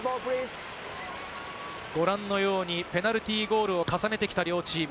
ご覧のようにペナルティーゴールを重ねてきた両チーム。